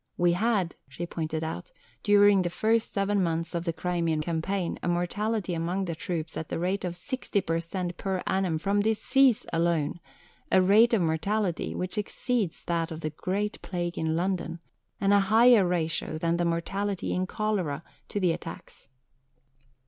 "We had," she pointed out, "during the first seven months of the Crimean campaign, a mortality among the troops at the rate of 60 per cent per annum from disease alone, a rate of mortality which exceeds that of the Great Plague in London, and a higher ratio than the mortality in cholera to the attacks."